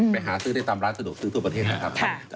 ไปหาซื้อได้ตามร้านสะดวกซื้อทั่วประเทศนะครับ